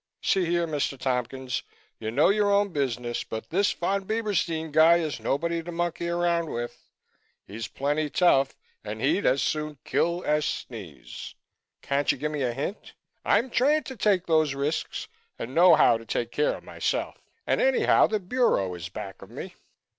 See here, Mr. Tompkins, you know your own business but this Von Bieberstein guy is nobody to monkey around with. He's plenty tough and he'd as soon kill as sneeze. Can't you give me a hint? I'm trained to take those risks and know how to take care of myself, and anyhow the Bureau is back of me."